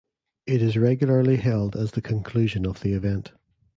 It is regularly held as the conclusion of the event.